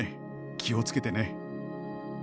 気をつけてね。